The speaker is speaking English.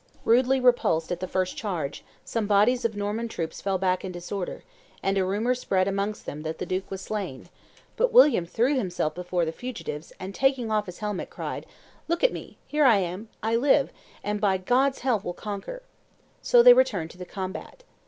Rudely repulsed at the first charge, some bodies of Norman troops fell back in disorder, and a rumor spread amongst them that the duke was slain; but William threw himself before the fugitives, and, taking off his helmet, cried, "Look at me; here I am; I live, and by God's help will conquer." So they returned to the combat.